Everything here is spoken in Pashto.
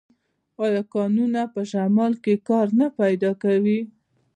آیا کانونه په شمال کې کار نه پیدا کوي؟